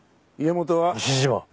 西島！